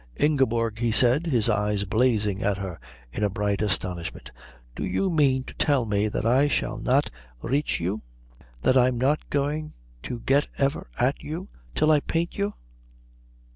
"Ingeborg," he said, his eyes blazing at her in a bright astonishment, "do you mean to tell me that I shall not reach you, that I'm not going to get ever at you till I paint you?"